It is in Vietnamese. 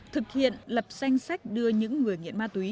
thực hiện lập danh sách đưa những người nghiện ma túy